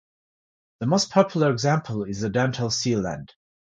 The most popular example is the dental sealant.